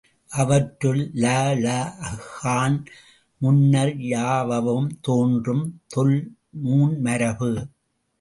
அவற்றுள், லளஃகான் முன்னர் யவவும் தோன்றும் தொல் நூன்மரபு.